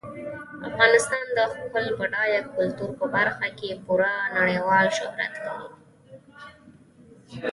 افغانستان د خپل بډایه کلتور په برخه کې پوره نړیوال شهرت لري.